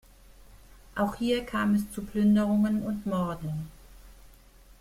Auch hier kam es zu Plünderungen und Morden.